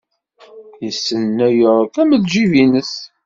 Yessen New York am ljib-nnes.